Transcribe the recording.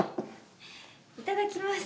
いただきます。